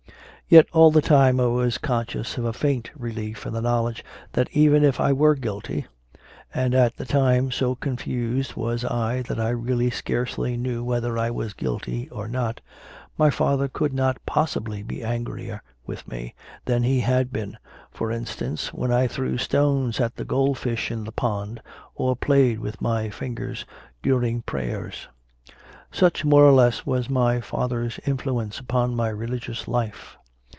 Yet all the time I was conscious of a faint relief in the knowledge that even if I were guilty and at the time so con fused was I that I really scarcely knew whether I were guilty or not my father could not possibly be angrier with me than he had been, for instance, when I threw stones at the goldfish in the pond or played with my fingers during prayers. Such, more or less, was my father s influence upon my religious life.